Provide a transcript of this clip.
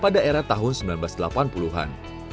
pada era tahun seribu sembilan ratus delapan puluh an